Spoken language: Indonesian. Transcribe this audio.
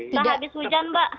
sudah habis hujan mbak